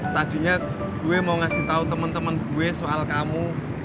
tadinya gue mau ngasih tahu temen temen gue soal kamu